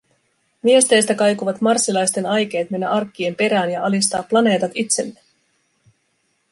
Viesteistä kaikuivat Marssilasten aikeet mennä arkkien perään ja alistaa planeetat itselleen.